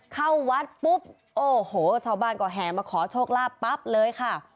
เข้าวัดปุ๊บโอ้โหชาวบ้านก็แห่มาขอโชคลาภปั๊บเลยค่ะ